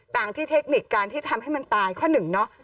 ต่างที่เทคนิคการที่ทำให้มันตายข้อหนึ่งเนาะ